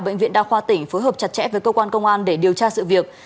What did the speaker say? bệnh viện đa khoa tỉnh phối hợp chặt chẽ với cơ quan công an để điều tra sự việc